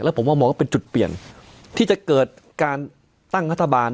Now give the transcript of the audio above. ผมว่ามองว่าเป็นจุดเปลี่ยนที่จะเกิดการตั้งรัฐบาล